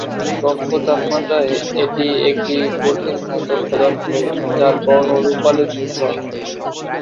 কক্ষ তাপমাত্রায় এটি একটি কঠিন ধাতব পদার্থ, যার বর্ণ রূপালী ধূসর।